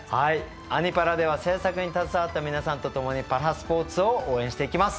「アニ×パラ」では制作に携わった皆さんとともにパラスポーツを応援していきます。